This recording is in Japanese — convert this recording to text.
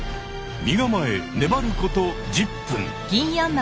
身構えねばること１０分。